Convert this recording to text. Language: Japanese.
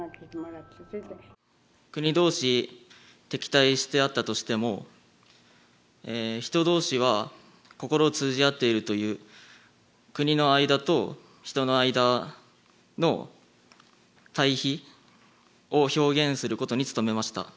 国同士敵対してあったとしても人同士は心を通じ合っているという国の間と人の間の対比を表現することに努めました。